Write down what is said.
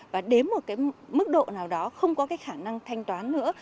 và đến một mức độ nào đó không có khả năng thanh toán nữa